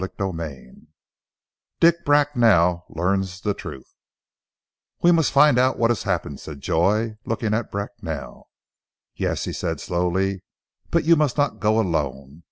CHAPTER XX DICK BRACKNELL LEARNS THE TRUTH "WE MUST find out what has happened!" said Joy, looking at Bracknell. "Yes," he said slowly, "but you must not go alone.